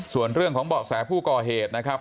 ส่วนเรื่องของเบาะแสผู้ก่อเหตุนะครับ